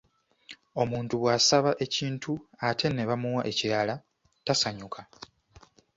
Omuntu bw’asaba ekintu ate ne bamuwa ekiralala tasanyuka.